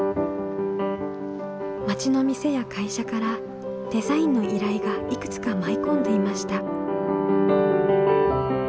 町の店や会社からデザインの依頼がいくつか舞い込んでいました。